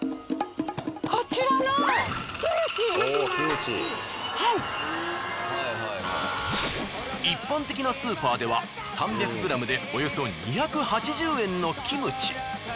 こちらの一般的なスーパーでは３００ｇでおよそ２８０円のキムチ。